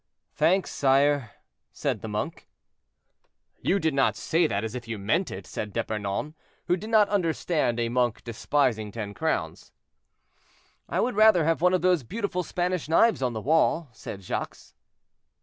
"Thanks, sire," said the monk. "You did not say that as if you meant it," said D'Epernon, who did not understand a monk despising ten crowns. "I would rather have one of those beautiful Spanish knives on the wall," said Jacques.